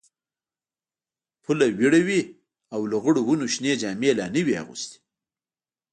پوله وپړه وې او لغړو ونو شنې جامې لا نه وې اغوستي.